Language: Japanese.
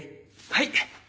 はい！